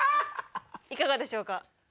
いかがでしょうか？